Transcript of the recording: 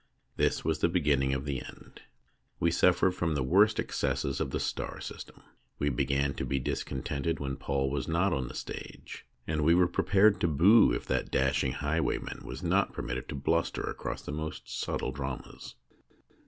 This was the beginning of the end. We suffered from the worst excesses of the star system ; we began to be discontented when Paul was not on the stage, and we were prepared to boo if that dashing highwayman was not permitted to bluster across the most subtle dramas.